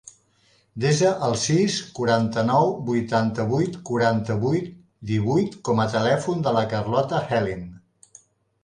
Desa el sis, quaranta-nou, vuitanta-vuit, quaranta-vuit, divuit com a telèfon de la Carlota Hellin.